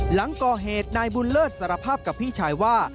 หลังก่อเหตุนายบุญเลิศสารภาพกับพี่ชายว่า